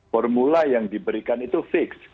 formula yang diberikan itu fix